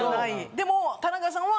でも田中さんは。